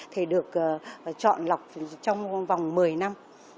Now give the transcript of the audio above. thì được chọn lọc trong vòng một mươi năm